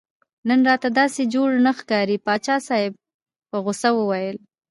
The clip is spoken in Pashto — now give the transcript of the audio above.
نن راته داسې جوړ نه ښکارې پاچا صاحب په غوسه وویل.